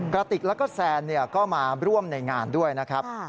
กระติกแล้วก็แซนก็มาร่วมในงานด้วยนะครับ